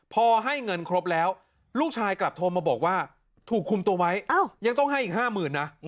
พอให้เงินครบแล้วลูกชายกลับโทรมาบอกว่าถูกคุมตัวไว้ยังต้องให้อีก๕๐๐๐นะ